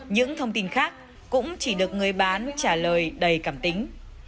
những thông tin khác cũng chỉ được người bán trả lời đầy cảm tính